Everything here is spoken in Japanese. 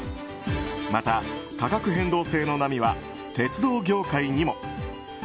また価格変動制の波は鉄道業界にも。